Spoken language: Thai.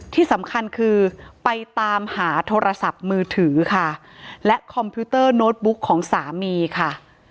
ที่สำคัญคือไปตามหาโทรศัพท์มือถือค่ะและคอมพิวเตอร์โน้ตบุ๊กของสามีค่ะ